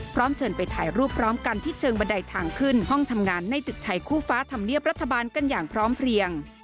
พร้อมเชิญไปถ่ายรูปพร้อมกันที่เชิงบันไดทางขึ้นห้องทำงานในตึกไทยคู่ฟ้าธรรมเนียบรัฐบาลกันอย่างพร้อมเพลียง